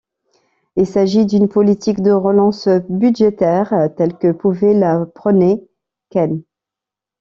Il s'agit d'une politique de relance budgétaire telle que pouvait la prôner Keynes.